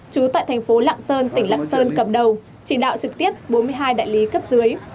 trú tại thành phố lạng sơn tỉnh lạng sơn cầm đầu chỉ đạo trực tiếp bốn mươi hai đại lý cấp dưới